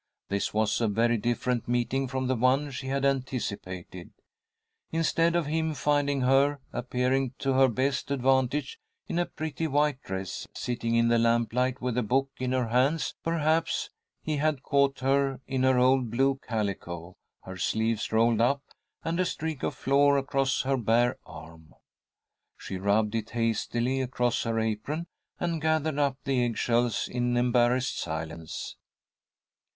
This was a very different meeting from the one she had anticipated. Instead of him finding her, appearing to her best advantage in a pretty white dress, sitting in the lamplight with a book in her hands, perhaps, he had caught her in her old blue calico, her sleeves rolled up, and a streak of flour across her bare arm. She rubbed it hastily across her apron, and gathered up the egg shells in embarrassed silence.